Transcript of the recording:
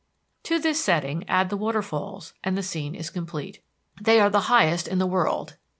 To this setting add the waterfalls and the scene is complete. They are the highest in the world.